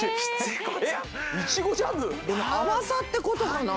甘さってことかな？